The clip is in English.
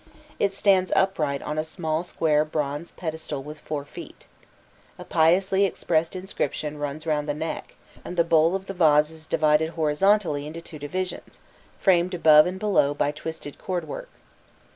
It stands upright on a small square bronze pedestal with four feet. A piously expressed inscription runs round the neck, and the bowl of the vase is divided horizontally into two divisions, framed above and below by twisted cord work.